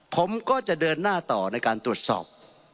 ผมก็จะเดินหน้าต่อในการตรวจสอบ